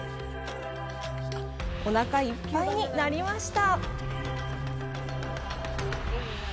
おなかいっぱいになりました。